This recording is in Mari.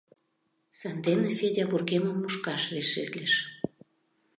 Сандене Федя вургемым мушкаш решитлыш.